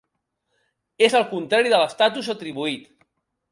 És el contrari de l'estatus atribuït.